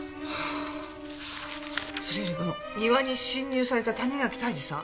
それよりこの庭に侵入された谷垣泰治さん。